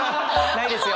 ないですよ！